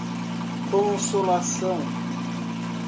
Consolação